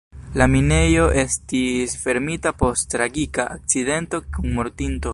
La minejo estis fermita post tragika akcidento kun mortinto.